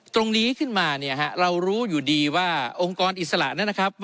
ตรงนี้ขึ้นมาเนี่ยฮะเรารู้อยู่ดีว่าองค์กรอิสระนะครับ